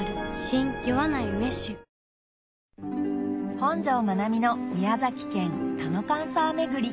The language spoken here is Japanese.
本上まなみの宮崎県田の神さぁ巡り